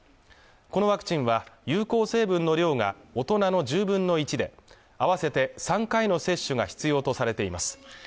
このワクチンは有効成分の量が大人の１０分の１で合わせて３回の接種が必要とされています